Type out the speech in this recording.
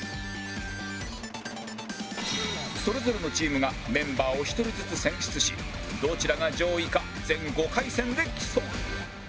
それぞれのチームがメンバーを１人ずつ選出しどちらが上位か全５回戦で競う！